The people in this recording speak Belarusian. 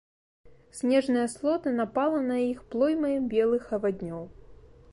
Снежная слота напала на іх плоймай белых аваднёў.